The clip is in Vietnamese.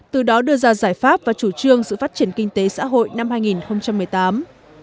từ đó đưa ra giải pháp và chủ trương sự phát triển kinh tế xã hội năm hai nghìn một mươi tám